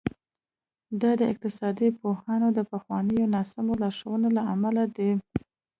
دا د اقتصاد پوهانو د پخوانیو ناسمو لارښوونو له امله دي.